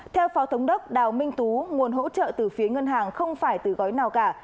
theo phó thống đốc đào minh tú nguồn hỗ trợ từ phía ngân hàng không phải từ gói nào cả